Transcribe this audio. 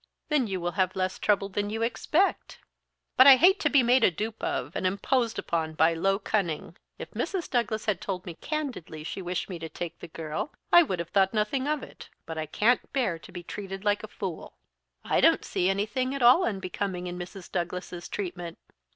"Then you will have less trouble than you expect." "But I hate to be made a dupe of, and imposed upon by low cunning. If Mrs. Douglas had told me candidly she wished me to take the girl, I would have thought nothing of it; but I can't bear to be treated like a fool." "I don't see anything at all unbecoming in Mrs. Douglas's treatment."